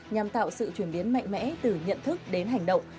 nhằm tạo sự chuyển biến mạnh mẽ từ nhận thức đến hành động